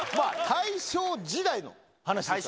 大正時代の話ですから。